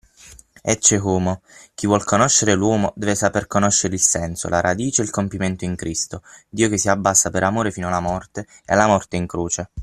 Ecce homo: chi vuol conoscere l'uomo, deve saperne riconoscere il senso, la radice e il compimento in Cristo, Dio che si abbassa per amore fino alla morte, e alla morte di croce .